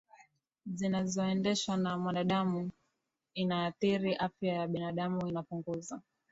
zinazoendeshwa na mwanadamu Inathiri afya ya binadamu inapunguza